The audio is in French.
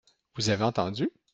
Vous avez entendu ?